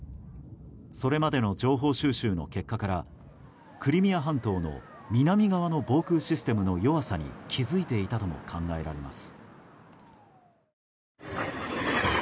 それまでの情報収集の結果からクリミア半島の南側の防空システムの弱さに気づいていたとも考えられます。